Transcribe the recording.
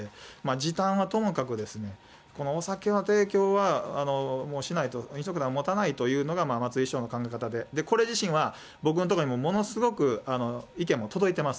時短はともかくですね、このお酒の提供は、もうしないと、飲食店はもたないというのが、松井市長の考え方で、これ自身は僕のところにもものすごく意見も届いてます。